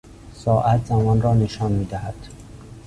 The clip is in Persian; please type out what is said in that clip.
ساعت زمان را نشان میدهد.